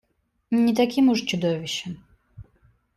Не таким уж чудовищем.